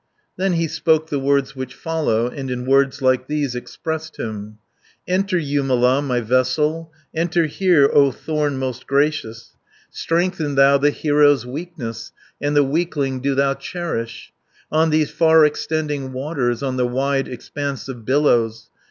Then he spoke the words which follow, And in words like these expressed him: "Enter, Jumala, my vessel, Enter here, O thorn most gracious, 30 Strengthen thou the hero's weakness, And the weakling do thou cherish, On these far extending waters, On the wide expanse of billows.